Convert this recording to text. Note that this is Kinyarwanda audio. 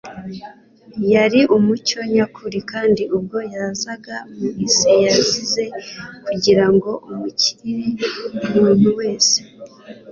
"Yari umucyo nyakuri, kandi ubwo yazaga mu isi yaziye kugira ngo amurikire umuntu wese."